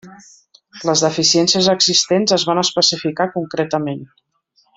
Les deficiències existents es van especificar concretament.